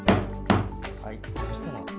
はいそしたら。